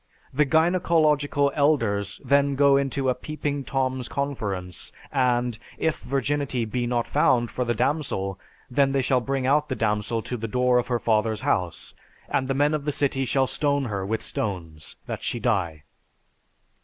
The gynecological elders then go into a "peeping Tom's" conference and "If virginity be not found for the damsel: Then they shall bring out the damsel to the door of her father's house, and the men of the city shall stone her with stones that she die."